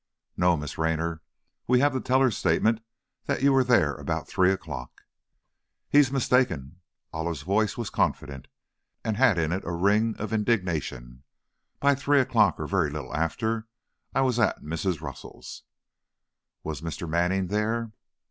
"No, Miss Raynor. We have the teller's statement that you were there about three o'clock." "He is mistaken," Olive's voice was confident, and had in it a ring of indignation, "by three o'clock, or very little after, I was at Mrs. Russell's." "Was Mr. Manning there?"